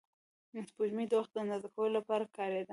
سپوږمۍ د وخت اندازه کولو لپاره کارېده